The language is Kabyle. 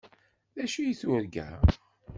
D acu i turga?